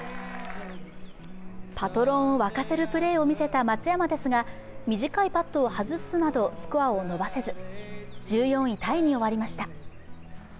パトロンを沸かせるプレーを見せた松山ですが短いパットを外すなど、スコアを伸ばせず、１４位タイに終わりました。